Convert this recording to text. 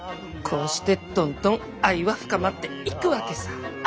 こうしてどんどん愛は深まっていくわけさぁ。